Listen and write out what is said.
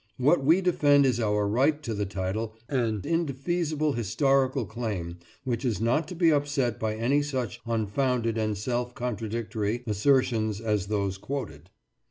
What we defend is our right to the title, an indefeasible historical claim which is not to be upset by any such unfounded and self contradictory assertions as those quoted.